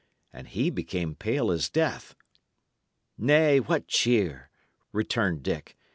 and he became pale as death. "Nay, what cheer!" returned Dick.